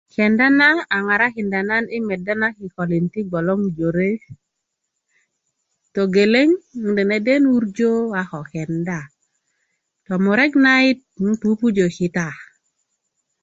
kenda na a ŋarakinda nan i meda na kikölin ti bgoloŋ jore togeleŋ 'n deneden wurjö a ko kenda tomurek nayit 'n pupujö kita